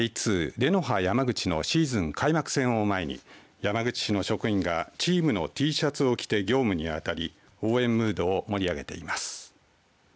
レノファ山口のシーズン開幕戦を前に山口市の職員がチームのＴシャツを着て業務に当たり応援ムードを盛り上げています。